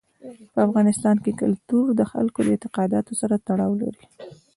په افغانستان کې کلتور د خلکو د اعتقاداتو سره تړاو لري.